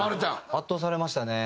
圧倒されましたね。